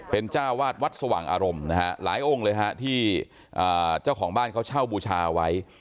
เป็นจ้าวาดวัดสว่างอารมณ์นะฮะหลายองค์เลยฮะที่เจ้าของบ้านเขาเช่าบูชาไว้